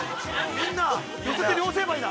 ◆みんな、寄せて両成敗だ。